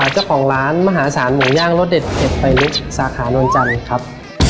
เจ้าของร้านมหาศาลหมูย่างรสเด็ดเผ็ดไฟลุกสาขานวลจันทร์ครับ